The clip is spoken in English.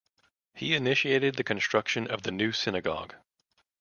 He initiated the construction of the new Synagogue.